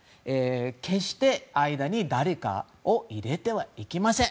決して間に誰かを入れてはいけません。